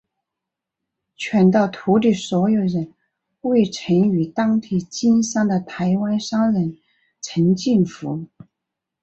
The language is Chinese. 全岛土地所有人为曾于当地经商的台湾商人陈进福。